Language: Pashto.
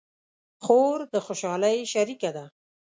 خور د خوشحالۍ شریکه ده.